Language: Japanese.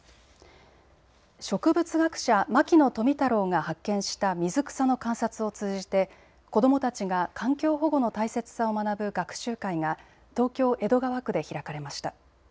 植物学者、牧野富太郎が発見した水草の観察を通じて子どもたちが環境保護の大切さを学ぶ学習会が東京江戸川区で開かれました。